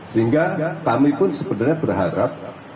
sehingga kami pun sebenarnya berharap